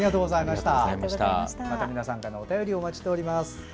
また、皆さんからのお便りをお待ちしております。